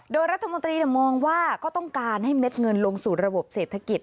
โดยรัฐมนตรีมองว่าก็ต้องการให้เม็ดเงินลงสู่ระบบเศรษฐกิจ